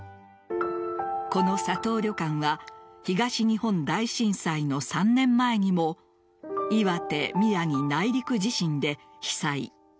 この佐藤旅館は東日本大震災の３年前にも岩手・宮城内陸地震で被災。